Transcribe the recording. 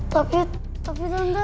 tapi tapi tante